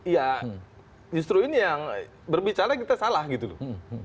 ya justru ini yang berbicara kita salah gitu loh